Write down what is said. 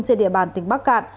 trên địa bàn tỉnh bắc cạn